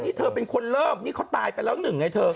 มันต้องแล้วยกับศาสน์เราตายไปแล้วแค่นี้